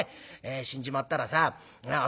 死んじまったらさあ